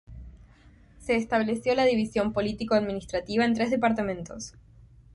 Se estableció la división político-administrativa en tres departamentos.